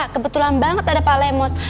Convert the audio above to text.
kebetulan banget ada pak lemos